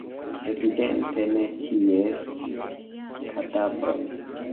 Evidente ne ties kadavron.